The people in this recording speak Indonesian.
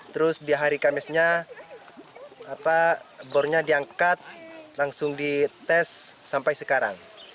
terus di hari kamisnya bornya diangkat langsung dites sampai sekarang